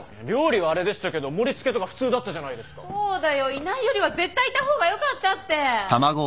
いないよりは絶対いた方がよかったって。